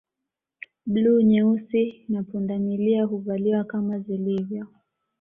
Bluu nyeusi na pundamilia huvaliwa kama zilivyo